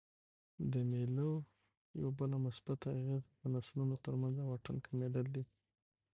د مېلو یوه بله مثبته اغېزه د نسلونو ترمنځ د واټن کمېدل دي.